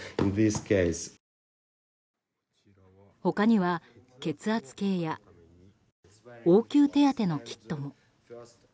他には、血圧計や応急手当のキットも。